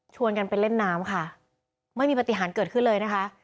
กันไปเล่นน้ำค่ะไม่มีปฏิหารเกิดขึ้นเลยนะคะ